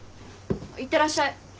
いってらっしゃい。